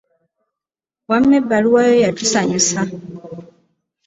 Wamma ebbaluwa yo yatusanyusa.